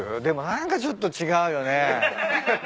でも何かちょっと違うよね。